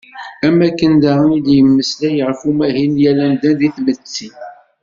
Am wakken, daɣen i d-yemmeslay ɣef umahil n yal amdan deg tmetti.